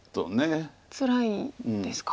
つらいですか。